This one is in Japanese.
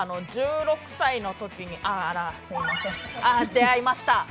１６歳のときに、出会いました。